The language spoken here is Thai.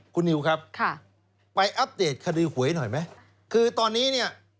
คุณนิวครับค่ะไปอัปเดตคดีหวยหน่อยไหมคือตอนนี้เนี่ย